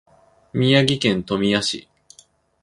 宮城県富谷市